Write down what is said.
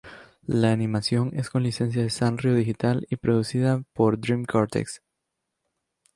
La animación es con licencia de Sanrio Digital y producida por Dream Cortex.